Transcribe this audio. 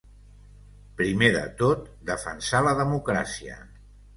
Primer de tot, defensar la democràcia.